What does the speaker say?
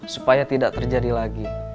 supaya tidak terjadi lagi